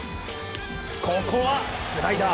ここはスライダー。